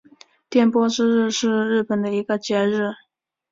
电波之日是日本的一个节日。